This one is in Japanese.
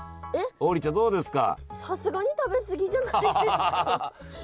王林ちゃんどうですか？